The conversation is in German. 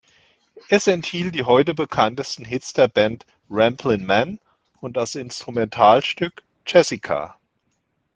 Es enthielt die heute bekanntesten Hits der Band, "Ramblin' Man" und das Instrumentalstück "Jessica".